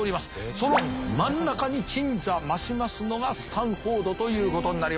その真ん中に鎮座ましますのがスタンフォードということになります。